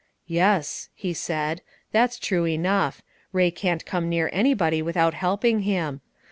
"Yes," he said, "that's true enough; Ray can't come near anybody without helping him.